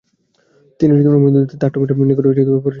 তিনি মুইনুদ্দীন থাট্টভীর নিকট ফারসী ভাষা শিক্ষালাভ করেন।